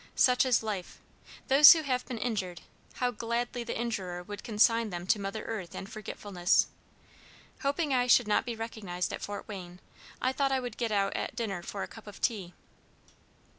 Such is life! Those who have been injured, how gladly the injurer would consign them to mother earth and forgetfulness! Hoping I should not be recognized at Fort Wayne, I thought I would get out at dinner for a cup of tea.